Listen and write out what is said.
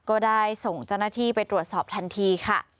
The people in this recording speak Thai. ก็ได้ส่งเจ้าหน้าที่ไปตรวจสอบทันทีค่ะ